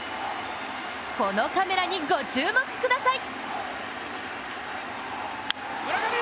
このカメラにご注目ください。